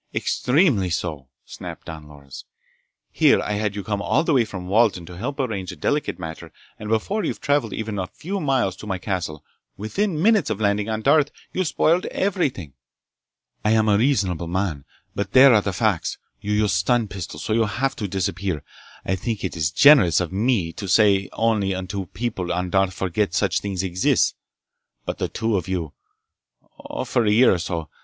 "Extremely so!" snapped Don Loris. "Here I had you come all the way from Walden to help arrange a delicate matter, and before you'd traveled even the few miles to my castle—within minutes of landing on Darth!—you spoiled everything! I am a reasonable man, but there are the facts! You used stun pistols, so you have to disappear. I think it generous for me to say only until people on Darth forget that such things exist. But the two of you ... oh, for a year or so ...